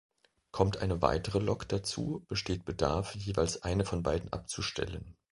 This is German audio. Kommt eine weitere Lok dazu, besteht Bedarf, jeweils eine von beiden abzustellen.